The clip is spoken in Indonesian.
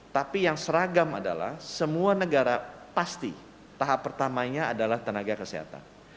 tapi yang seragam adalah semua negara pasti tahap pertamanya adalah tenaga kesehatan